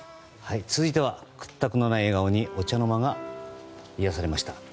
続いては屈託のない笑顔にお茶の間が癒やされました。